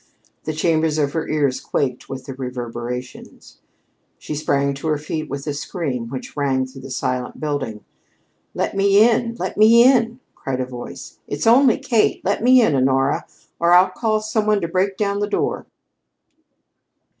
The chambers of her ears quaked with the reverberations. She sprang to her feet with a scream which rang through the silent building. "Let me in! Let me in!" called a voice. "It's only Kate. Let me in, Honora, or I'll call some one to break down the door."